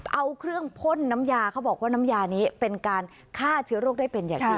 เอาเครื่องพ่นน้ำยาเขาบอกว่าน้ำยานี้เป็นการฆ่าเชื้อโรคได้เป็นอย่างดี